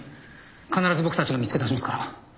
必ず僕たちが見つけ出しますから。